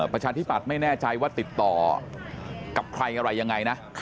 ประชาธิปัตย์ไม่แน่ใจว่าติดต่อกับใครอะไรยังไงนะ